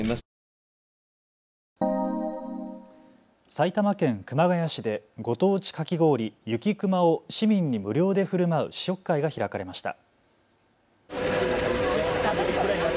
埼玉県熊谷市でご当地かき氷、雪くまを市民に無料でふるまう試食会が開かれました。